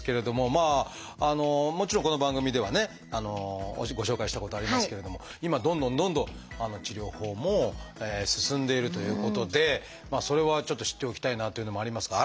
まああのもちろんこの番組ではねご紹介したことありますけれども今どんどんどんどん治療法も進んでいるということでそれはちょっと知っておきたいなっていうのもありますが。